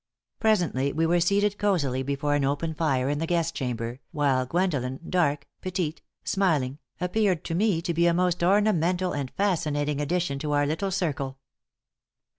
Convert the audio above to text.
Presently we were seated cozily before an open fire in the guest chamber, while Gwendolen, dark, petite, smiling, appeared to me to be a most ornamental and fascinating addition to our little circle.